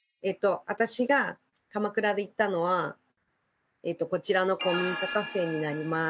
私が鎌倉で行ったのはこちらの古民家カフェになります。